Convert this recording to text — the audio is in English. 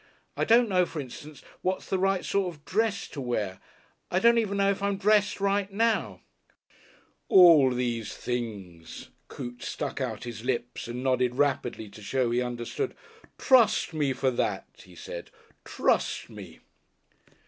"I don't know, for instance, what's the right sort of dress to wear I don't even know if I'm dressed right now " "All these things" Coote stuck out his lips and nodded rapidly to show he understood "Trust me for that," he said, "trust me."